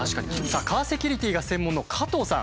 カーセキュリティーが専門の加藤さん。